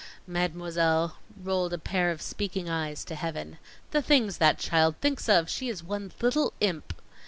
_" Mademoiselle rolled a pair of speaking eyes to heaven. "The things that child thinks of! She is one little imp."